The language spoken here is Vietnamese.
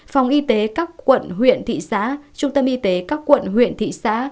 phòng y tế các quận huyện thị xã trung tâm y tế các quận huyện thị xã